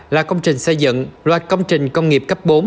là công trình xây dựng loạt công trình công nghiệp cấp bốn